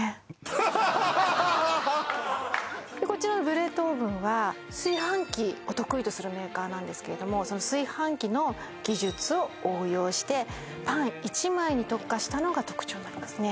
こちらのブレッドオーブンは炊飯器が得意とするんですけど炊飯器の技術を応用してパン１枚に特化したのが特徴なんですね。